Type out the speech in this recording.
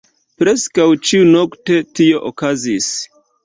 Preskaŭ ĉiunokte tio okazis.